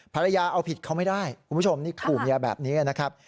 ภรรยาเอาผิดเขาไม่ได้คุณผู้ชมนี่ขู่เมียแบบนี้นะครับ